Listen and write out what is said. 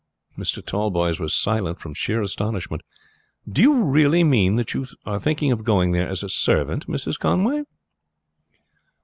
Mr. Tallboys was silent from sheer astonishment. "Do you realty mean that you think of going there as a servant, Mrs. Conway?"